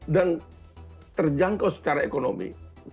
dan terjangkau secara ekonomi